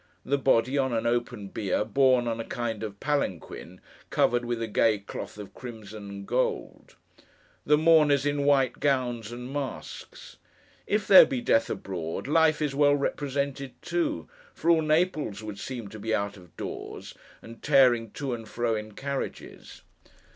The body, on an open bier, borne on a kind of palanquin, covered with a gay cloth of crimson and gold. The mourners, in white gowns and masks. If there be death abroad, life is well represented too, for all Naples would seem to be out of doors, and tearing to and fro in carriages.